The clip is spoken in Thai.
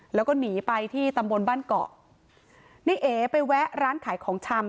แล้วก็หนีไปที่ตำบลบ้านเกาะในเอไปแวะร้านขายของชำ